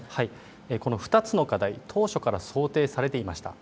この２つの課題、当初から想定されていました。